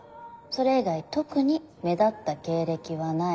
それ以外特に目立った経歴はない。